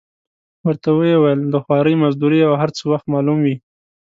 ورته ویې ویل: د خوارۍ مزدورۍ او هر څه وخت معلوم وي.